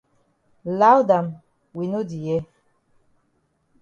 Loud am we no di hear.